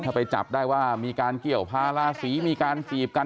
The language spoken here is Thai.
ถ้าไปจับได้ว่ามีการเกี่ยวพาราศีมีการจีบกัน